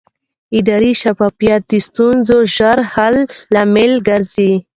اداري شفافیت د ستونزو ژر حل لامل ګرځي